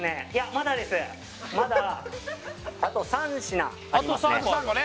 まだですまだあと３品ありますね